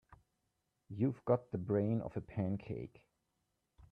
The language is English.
You've got the brain of a pancake.